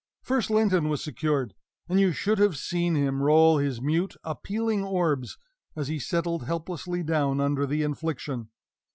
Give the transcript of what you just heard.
First Linton was secured; and you should have seen him roll his mute, appealing orbs, as he settled helplessly down under the infliction.